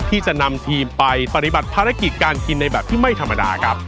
ที่จะนำทีมไปปฏิบัติภารกิจการกินในแบบที่ไม่ธรรมดาครับ